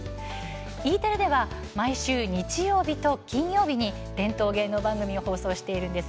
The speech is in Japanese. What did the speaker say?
Ｅテレでは毎週、日曜日と金曜日に伝統芸能番組を放送しています。